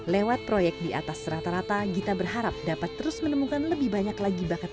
lewat proyek di atas rata rata gita berharap dapat terus menemukan lebih banyak lagi bakat